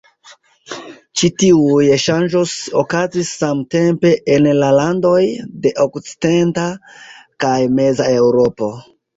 Ĉi tiuj ŝanĝoj okazis samtempe en la landoj de okcidenta kaj meza Eŭropo.